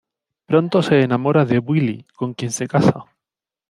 Pronto se enamora de Willie, con quien se casa.